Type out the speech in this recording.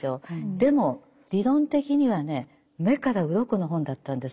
でも理論的にはね目から鱗の本だったんです。